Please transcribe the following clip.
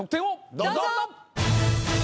どうぞ！